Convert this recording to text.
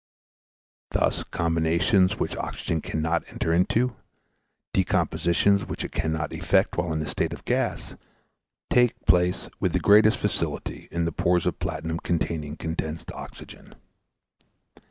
Thus combinations which oxygen cannot enter into, decompositions which it cannot effect while in the state of gas, take place with the greatest facility in the pores of platinum containing condensed oxygen.